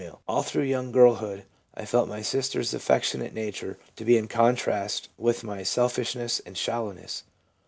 All through young girlhood I felt my sister's affectionate nature to be in contrast with my selfishness and shallow ness.